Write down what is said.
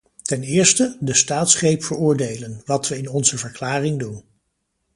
Ten eerste: de staatsgreep veroordelen, wat we in onze verklaring doen.